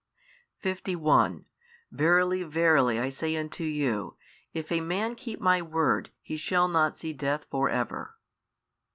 51 Verily verily I say unto you, If a man keep My word, he shall not see death for ever.